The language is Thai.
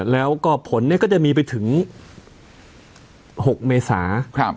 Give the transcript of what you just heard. แล้วก็ผลเนี่ยก็จะมีไปถึง๖เมษา